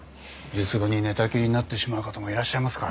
術後に寝たきりになってしまう方もいらっしゃいますからね。